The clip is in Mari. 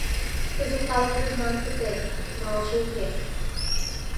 Кызыт калык нужнаҥ пытен, малже уке.